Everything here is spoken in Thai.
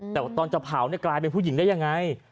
แต่ว่าตอนจะเผากลายเป็นผู้หญิงได้ยังไง